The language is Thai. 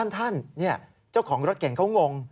ท่านเจ้าของรถเก่งเขางง